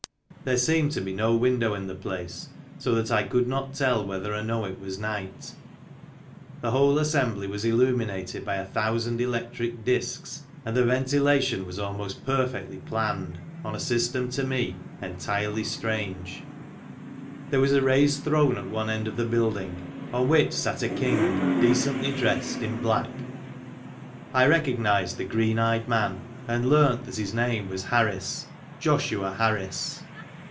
There seemed to be no window in the place, so that I could not tell whether or no it was night. The whole assembly was illuminated by a thousand electric discs, and the ventilation was almost perfectly planned on a system to me entirely strange. There was a raised throne at one end of the building, on which sat a King decently dressed in black. I recognized the green eyed man, and learnt that his name was Harris, Joshua Harris.